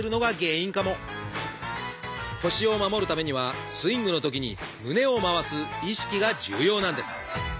腰を守るためにはスイングのときに胸を回す意識が重要なんです！